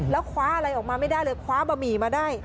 แล้วคว้าอะไรออกมาไม่ได้เลยคว้าบะหมี่มาได้